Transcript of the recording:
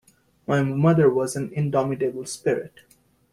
My mother was an indomitable spirit.